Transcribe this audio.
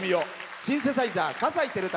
シンセサイザー、葛西暉武。